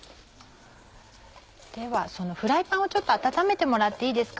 ではフライパンをちょっと温めてもらっていいですか。